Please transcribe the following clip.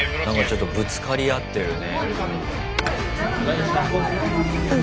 ちょっとぶつかり合ってるね。